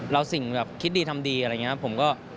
แล้วสิ่งแบบคิดดีทำดีอะไรอย่างนี้ผมก็